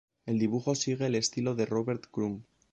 El dibujo sigue el estilo de Robert Crumb.